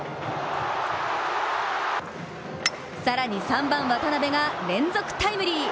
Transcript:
更に３番・渡邊が連続タイムリー。